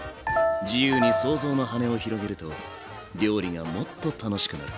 自由に想像の羽を広げると料理がもっと楽しくなる。